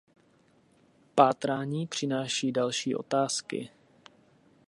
Pátrání přináší další otázky.